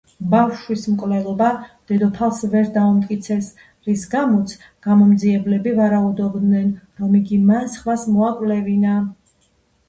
ბავშვის მკვლელობა დედოფალს ვერ დაუმტკიცეს, რის გამოც გამომძიებლები ვარაუდობდნენ, რომ იგი მან სხვას მოაკვლევინა.